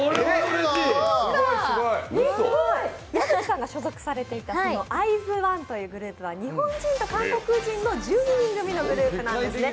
矢吹さんが所属されていたＩＺ＊ＯＮＥというグループは日本人と韓国人の１２人組のグループなんですね。